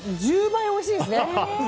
１０倍おいしいですね。